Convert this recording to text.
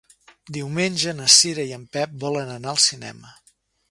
Diumenge na Cira i en Pep volen anar al cinema.